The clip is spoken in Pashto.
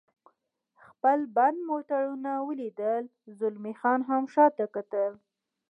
خپل بند موټرونه ولیدل، زلمی خان هم شاته کتل.